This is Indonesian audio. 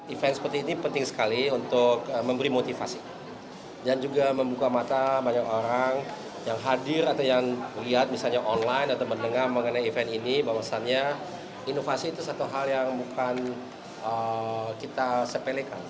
event seperti ini penting sekali untuk memberi motivasi dan juga membuka mata banyak orang yang hadir atau yang melihat misalnya online atau mendengar mengenai event ini bahwasannya inovasi itu satu hal yang bukan kita sepelekan